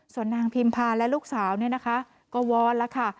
ส่วนนางพิมพาและลูกสาวเนี่ยนะคะก็วอนแล้วค่ะ